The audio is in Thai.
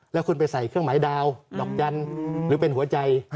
แล้วคุณไปใส่เครื่องหมายดาวดอกจันทร์หรือเป็นหัวใจ